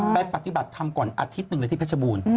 ไปปฏิบัติทำก่อนอาทิตย์หนึ่งเลยที่พระเจ้าบูรณ์